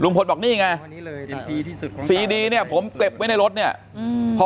ลุงพลบอกนี่ไงสีดีเนี่ยผมเก็บไว้ในรถเนี่ยอืม